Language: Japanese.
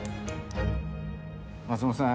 松本さん